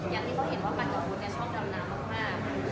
อย่างที่เขาเห็นว่ามันกับพุทธชอบดำน้ำมาก